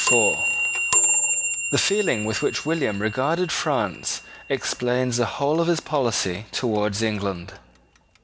The feeling with which William regarded France explains the whole of his policy towards England.